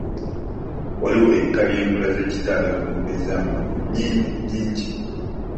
Waliwo ebika by'Enkola z'ekizaalaggumba ez'amangu nyingi.